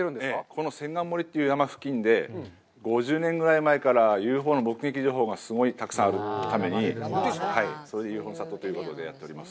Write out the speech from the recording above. この千貫森という山の付近で５０年ぐらい前からＵＦＯの目撃情報がすごいたくさんあるために、そういうふるさとということでやっております。